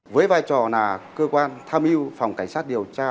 với vai trò là cơ quan tham yêu phòng cảnh sát điều tra